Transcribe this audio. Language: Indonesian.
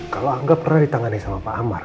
kalau anggap pernah ditangani sama pak amar